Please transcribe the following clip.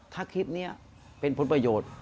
ถ้าคลิปนี้เป็นผลประโยชน์